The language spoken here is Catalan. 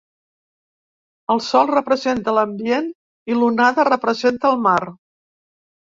El sol representa l'ambient i l'onada representa el mar.